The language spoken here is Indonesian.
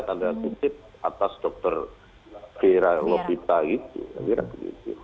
tanda titip atas dokter fira lobita itu